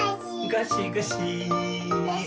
ゴシゴシ。